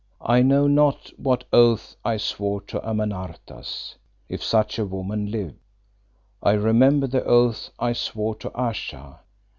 I know not what oaths I swore to Amenartas, if such a woman lived. I remember the oaths I swore to Ayesha.